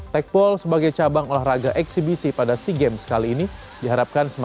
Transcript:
tekpol sebagai cabang olahraga eksibisi pada sea games kali ini diharapkan semakin